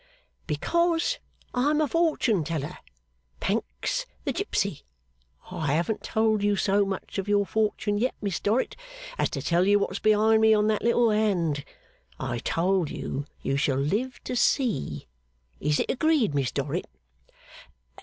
'Because I am a fortune teller. Pancks the gipsy. I haven't told you so much of your fortune yet, Miss Dorrit, as to tell you what's behind me on that little hand. I have told you you shall live to see. Is it agreed, Miss Dorrit?